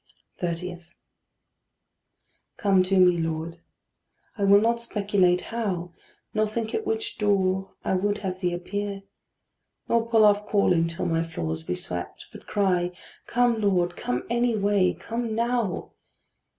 30. Come to me, Lord: I will not speculate how, Nor think at which door I would have thee appear, Nor put off calling till my floors be swept, But cry, "Come, Lord, come any way, come now."